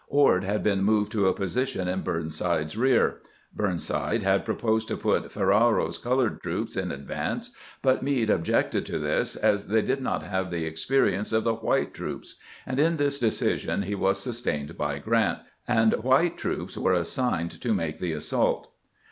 Ord had been moved to a position in Burnside's rear. Burn side had proposed to put Ferrero's colored troops in ad vance, but Meade objected to this, as they did not have the experience of the white troops ; and in this decision he was sustained by Grant, and white troops were as signed to make the assault.